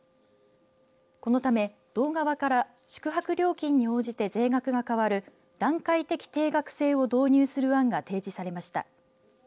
このため、道側から宿泊料金に応じて税額が変わる段階的定額制を導入する案が提示されました。